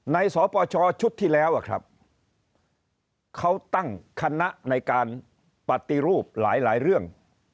สปชชุดที่แล้วเขาตั้งคณะในการปฏิรูปหลายเรื่อง